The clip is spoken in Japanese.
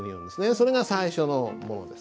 それが最初のものです。